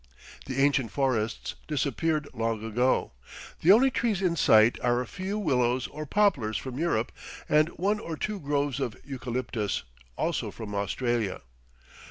The ancient forests disappeared long ago. The only trees in sight are a few willows or poplars from Europe and one or two groves of eucalyptus, also from Australia.